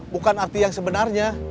bukan arti yang sebenarnya